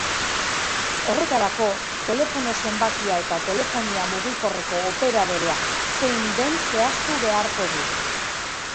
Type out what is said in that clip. Horretarako, telefono zenbakia eta telefonia mugikorreko operadorea zein den zehaztu beharko du.